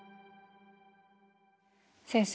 先生